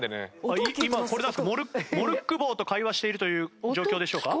モルック棒と会話しているという状況でしょうか？